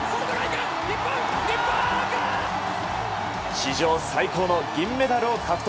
史上最高の銀メダルを獲得。